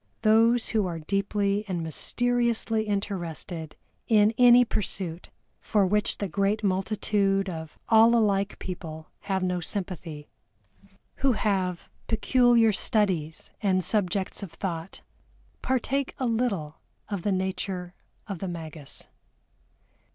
Those who are deeply and mysteriously interested in any pursuit for which the great multitude of all alike people have no sympathy, who have peculiar studies and subjects of thought, partake a little of the nature of the magus.